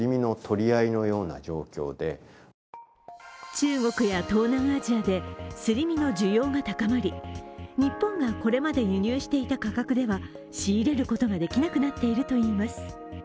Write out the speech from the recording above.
中国や東南アジアですり身の需要が高まり日本がこれまで輸入していた価格では仕入れることができなくなっているといいます。